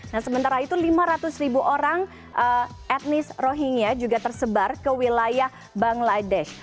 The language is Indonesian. nah sementara itu lima ratus ribu orang etnis rohingya juga tersebar ke wilayah bangladesh